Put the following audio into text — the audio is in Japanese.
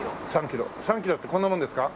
３キロ３キロってこんなもんですか？